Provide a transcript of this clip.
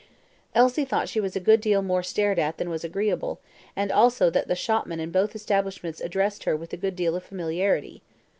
Elsie thought she was a good deal more stared at than was agreeable, and also that the shopmen in both establishments addressed her with a good deal of familiarity.